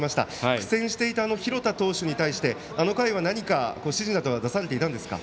苦戦していた廣田投手に対してあの回は何か、指示は出されていたんですか。